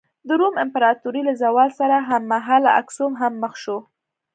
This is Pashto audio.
د روم امپراتورۍ له زوال سره هممهاله اکسوم هم مخ شو.